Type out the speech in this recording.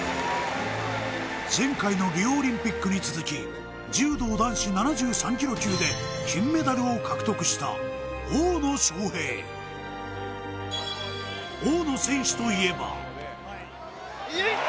前回のリオオリンピックに続き柔道男子７３ｋｇ級で金メダルを獲得した大野将平いった！